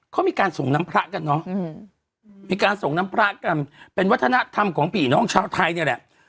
เขามีการส่งน้ำพระกันเนอะมีการส่งน้ำพระกันเป็นวัฒนธรรมของผีน้องชาวไทยนี่แหละ